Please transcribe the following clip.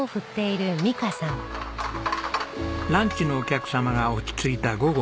ランチのお客様が落ち着いた午後２時。